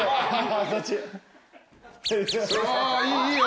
あいいよ。